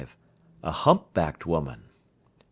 A humpbacked woman. 36.